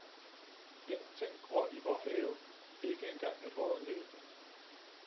Ingenting gror i vor have, ikke engang et råddent æble!